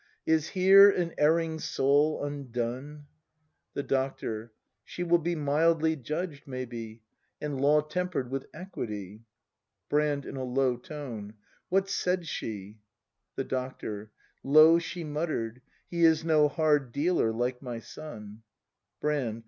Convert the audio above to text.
] Is here an erring soul undone? The Doctor. She will be mildly judged, maybe; — And Law temper'd with equity. Brand. [In a low tone.] What said she ? The Doctor. Low she mutter'd : H e Is no hard dealer, like my son. Brand.